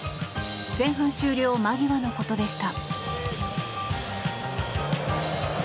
前半終了間際のことでした。